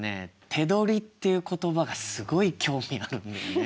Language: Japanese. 手取りっていう言葉がすごい興味あるんだよね。